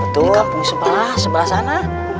kampung sebelah sebelah sana